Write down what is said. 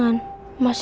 udah punya tunangnya